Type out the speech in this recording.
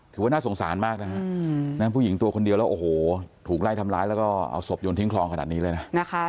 ถือว่าน่าสงสารมากนะฮะผู้หญิงตัวคนเดียวแล้วโอ้โหถูกไล่ทำร้ายแล้วก็เอาศพโยนทิ้งคลองขนาดนี้เลยนะ